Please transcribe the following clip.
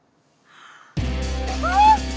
aku dapet beasiswa sayang